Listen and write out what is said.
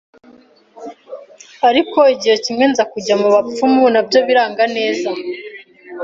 ariko igihe kimwe nza kujya mu bapfumu nabyo biranga neza